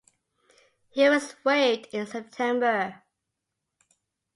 He was waived in September.